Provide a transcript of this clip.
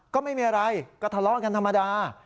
ก็ไม่มีอะไรก็ทะเลาะกันธรรมดา